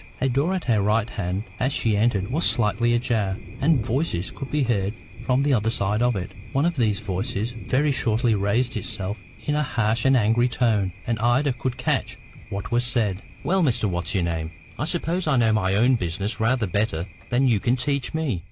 A door at her right hand as she entered was slightly ajar, and voices could be heard from the other side of it. One of these voices very shortly raised itself in a harsh and angry tone, and Ida could catch what was said. "Well, Mr. What's your name, I suppose I know my own business rather better than you can teach me.